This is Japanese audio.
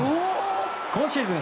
今シーズン